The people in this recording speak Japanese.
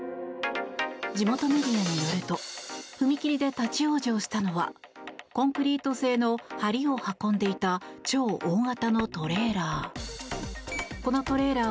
地元メディアによると踏切で立ち往生したのはコンクリート製のはりを運んでいた超大型のトレーラー。